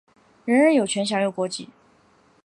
人人有权享有国籍。